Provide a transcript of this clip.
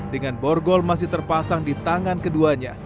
dengan borgol masih terpasang di tangan keduanya